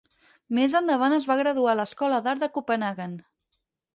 Més endavant es va graduar a l'Escola d'Art de Copenhaguen.